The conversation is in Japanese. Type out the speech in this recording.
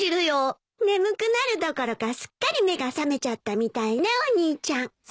眠くなるどころかすっかり目が覚めちゃったみたいねお兄ちゃん。